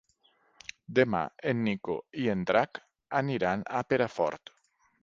Demà en Nico i en Drac aniran a Perafort.